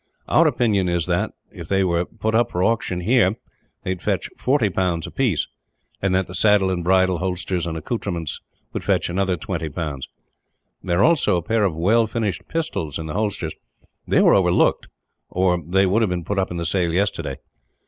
Our opinion is that, if they were put up to auction here, they would fetch 40 pounds apiece; and that the saddle and bridle, holsters, and accoutrements would fetch another 20 pounds. There are also a pair of well finished pistols in the holsters. They were overlooked, or they would have been put up in the sale yesterday.